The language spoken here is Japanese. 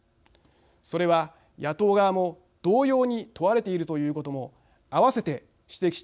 それは野党側も同様に問われているということも併せて指摘しておきたいと思います。